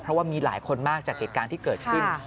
เพราะว่ามีหลายคนมากจากเหตุการณ์ที่เกิดขึ้น